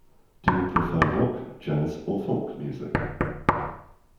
Do you prefer rock, jazz, or folk music?